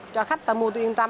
cho khách ta mua tôi yên tâm